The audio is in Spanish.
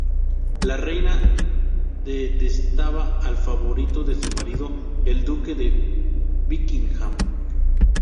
La reina detestaba al favorito de su marido, el Duque de Buckingham.